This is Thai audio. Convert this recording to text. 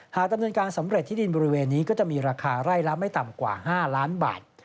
ดำเนินการสำเร็จที่ดินบริเวณนี้ก็จะมีราคาไร่ละไม่ต่ำกว่า๕ล้านบาท